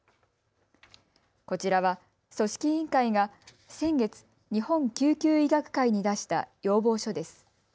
こちらは、組織委員会が先月、日本救急医学会に出した要望書です。